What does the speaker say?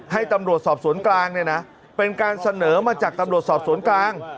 ให้ตำรวจสอบสวนกลางเนี่ยนะเป็นการเสนอมาจากตำรวจสอบสวนกลาง